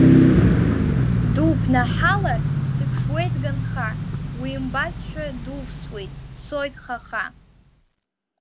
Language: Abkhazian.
Дуԥнаҳалар, дыԥшуеит ганха, уимбазшәа дувсуеит, дцоит хаха.